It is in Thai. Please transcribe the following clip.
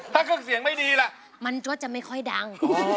ถ้าเครื่องเสียงไม่ดีล่ะมันก็จะไม่ค่อยดัง